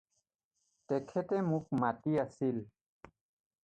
তেখেতে মোক মাতি আছিল।